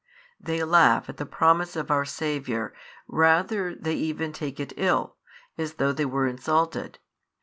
They laugh at the promise of our Saviour, rather they even take it ill, as though they were insulted.